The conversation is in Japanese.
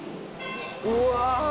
うわ